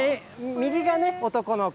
右が男の子。